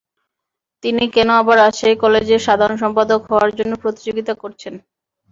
তিনি কেন আবার রাজশাহী কলেজের সাধারণ সম্পাদক হওয়ার জন্য প্রতিযোগিতা করছেন।